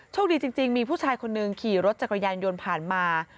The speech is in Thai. โชคดีจริงมีผู้ชายคนหนึ่งขี่รถจักรยานยนต์ผ่านมา